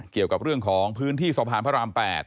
เกี่ยวกับเรื่องของพื้นที่สะพานพระราม๘